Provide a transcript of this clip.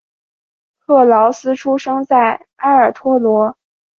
克劳斯出生在埃尔托罗。